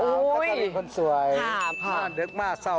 กระตาลีพ้อนสวยห้ามเหมือนเด็กห้าม้าเศร้า